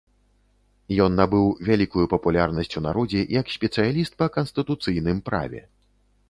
Ён набыў вялікую папулярнасць у народзе, як спецыяліст па канстытуцыйным праве.